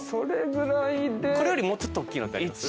これよりもうちょっと大きいのってあります？